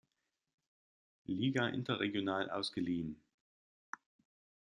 Liga interregional ausgeliehen.